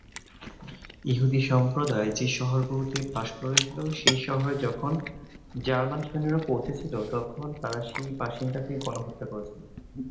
ইহুদি সম্প্রদায় যে শহরগুলিতে বাস করেছিল সেই শহরে যখন জার্মান সৈন্যরা পৌঁছেছিল, তখন তারা সেই বাসিন্দাদের গণহত্যা করেছিল।